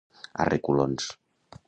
A reculons.